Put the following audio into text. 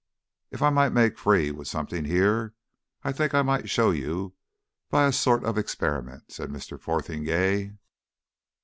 "If I might make free with something here, I think I might show you by a sort of experiment," said Mr. Fotheringay.